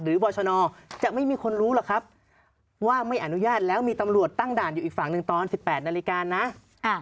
บอชนจะไม่มีคนรู้หรอกครับว่าไม่อนุญาตแล้วมีตำรวจตั้งด่านอยู่อีกฝั่งหนึ่งตอน๑๘นาฬิกานะ